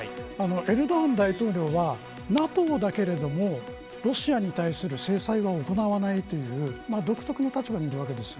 エルドアン大統領はＮＡＴＯだけれどもロシアに対する制裁を行わないという独特な立場にいるわけです。